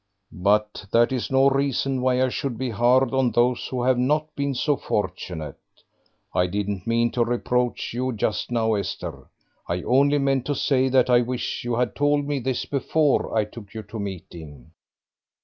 "But that is no reason why I should be hard on those who have not been so fortunate. I didn't mean to reproach you just now, Esther; I only meant to say that I wish you had told me this before I took you to meeting."